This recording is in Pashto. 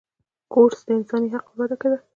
کورس د انساني عقل وده ده.